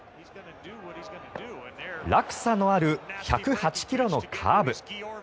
落差のある１０８ｋｍのカーブ。